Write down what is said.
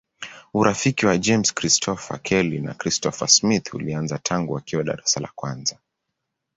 Urafiki wa James Christopher Kelly na Christopher Smith ulianza tangu wakiwa darasa la kwanza.